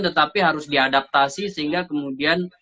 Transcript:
tetapi harus diadaptasi sehingga kemudian